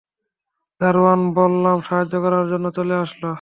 দারোয়ান বলরাম সাহায্য করার জন্য চলে আসল।